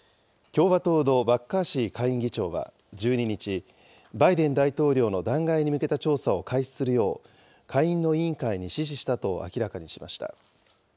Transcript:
共和党のマッカーシー下院議長は１２日、バイデン大統領の弾劾に向けた調査を開始するよう、下院の委員会に指示したと明らかにしました。